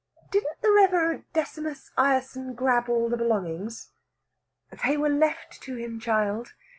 "Didn't the Reverend Decimus Ireson grab all the belongings?" "They were left to him, child.